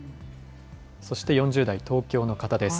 そして４０代、東京の方です。